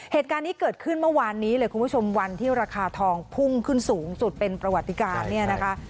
เหตุการณ์นี้เกิดขึ้นเมื่อวานนี้เลยคุณผู้ชมวันที่ราคาทองพุ่งขึ้นสูงสุดเป็นประวัติการเนี่ยนะคะ